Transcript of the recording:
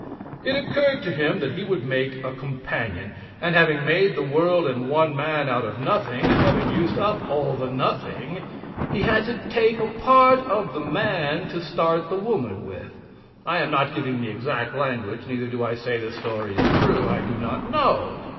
It occurred to Him that he would make a companion, and having made the world and one man out of nothing, and having used up all the nothing, He had to take a part of the man to start the woman with I am not giving the exact language, neither do I say this story is true. I do not know.